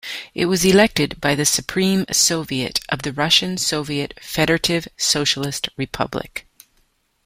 It was elected by the Supreme Soviet of the Russian Soviet Federative Socialist Republic.